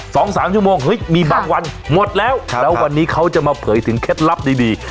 สองสามชั่วโมงเฮ้ยมีบางวันหมดแล้วแล้ววันนี้เขาจะมาเผยถึงเคล็ดลับดีดี